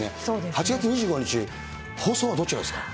８月２５日、放送はどちらですか。